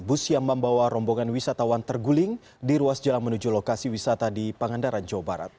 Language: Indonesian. bus yang membawa rombongan wisatawan terguling di ruas jalan menuju lokasi wisata di pangandaran jawa barat